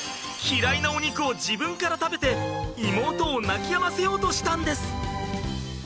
嫌いなお肉を自分から食べて妹を泣きやませようとしたんです。